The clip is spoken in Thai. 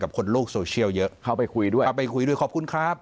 กับคนโลกโซเชียลเยอะเข้าไปคุยด้วยขอบคุณครับ